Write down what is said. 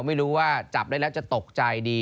ไม่รู้ว่าจับได้แล้วจะตกใจดี